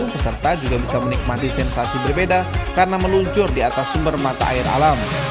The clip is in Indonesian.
peserta juga bisa menikmati sensasi berbeda karena meluncur di atas sumber mata air alam